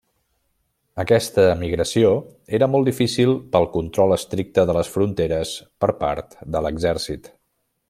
Aquesta emigració era molt difícil pel control estricte de les fronteres per part de l'exèrcit.